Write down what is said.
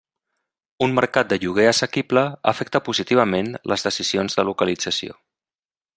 Un mercat de lloguer assequible afecta positivament les decisions de localització.